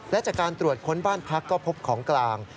และจากการตรวจค้นบ้านพักก็พบของกลาง